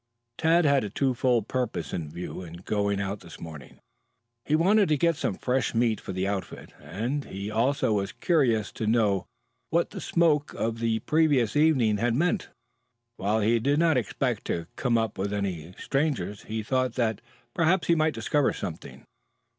Tad had a two fold purpose in view in going out this morning. He wanted to get some fresh meat for the outfit and he also was curious to know what the smoke of the previous evening had meant. While he did not expect to come up with any strangers, he thought that, perhaps he might discover something.